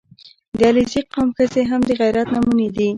• د علیزي قوم ښځې هم د غیرت نمونې دي.